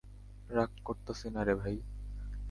রাগ করতাসিনা রে ভাই!